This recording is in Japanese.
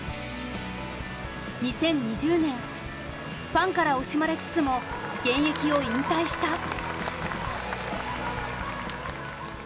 ２０２０年ファンから惜しまれつつも現役を引退した。